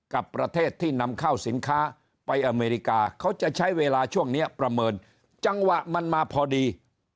กับประเทศที่นำเข้าสินค้าไปอเมริกาเขาจะใช้เวลาช่วงนี้ประเมินจังหวะมันมาพอดี